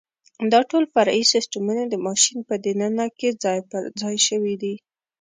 دا ټول فرعي سیسټمونه د ماشین په دننه کې ځای پرځای شوي دي.